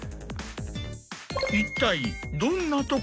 一体。